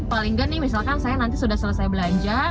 paling nggak nih misalkan saya nanti sudah selesai belanja